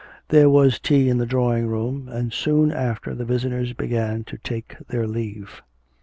There was tea in the drawing room, and soon after the visitors began to take their leave.